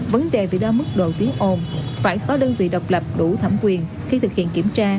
vấn đề vì đo mức độ tiếng ồn phải có đơn vị độc lập đủ thẩm quyền khi thực hiện kiểm tra